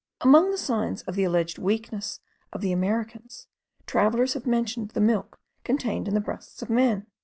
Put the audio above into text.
Among the signs of the alleged weakness of the Americans, travellers have mentioned the milk contained in the breasts of men.